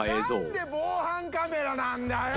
「なんで防犯カメラなんだよ！」